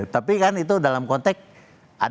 tapi kan itu dalam konteks ada yang lebih jauh